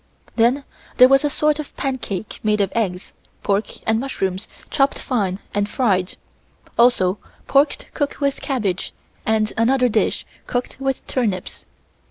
Then there was a sort of pancake made of eggs, pork and mushrooms chopped fine and fried, also pork cooked with cabbage and another dish cooked with turnips.